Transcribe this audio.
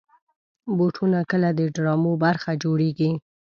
بوټونه کله د ډرامو برخه جوړېږي.